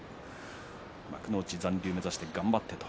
幕内残留を目指して頑張ってと。